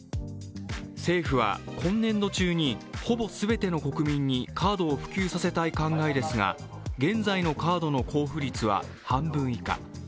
政府は今年度中にほぼ全ての国民にカードを普及させたい考えですが、現在のカードの交付率は半分以下。